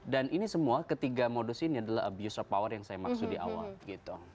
dan ini semua ketiga modus ini adalah abuse of power yang saya maksud di awal